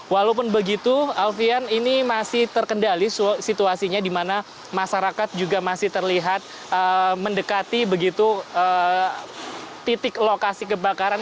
walaupun begitu alfian ini masih terkendali situasinya di mana masyarakat juga masih terlihat mendekati begitu titik lokasi kebakaran